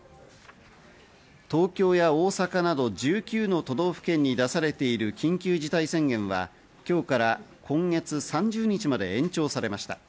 東京や大阪など１９の都道府県に出されている緊急事態宣言は今日から今月３０日まで延長されました。